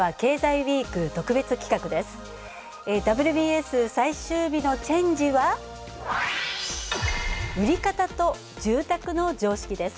「ＷＢＳ」最終日のチェンジ！は売り方と住宅の常識です。